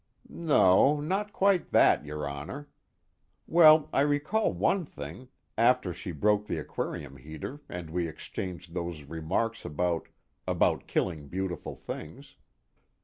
"No, not quite that, your Honor. Well, I recall one thing, after she broke the aquarium heater and we exchanged those remarks about about killing beautiful things.